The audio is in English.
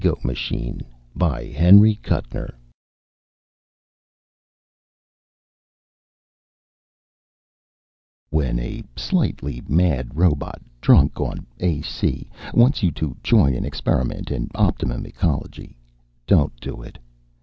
] [Sidenote: When a slightly mad robot drunk on AC, wants you to join an experiment in optimum ecology don't do it!